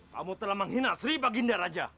kamu telah menghina sri baginda raja